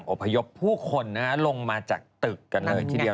สนับสนุนโดยดีที่สุดคือการให้ไม่สิ้นสุด